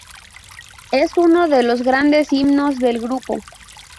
Es uno de los grandes himnos del grupo.